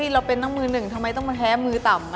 เราเป็นน้องมือหนึ่งทำไมต้องมาแพ้มือต่ำ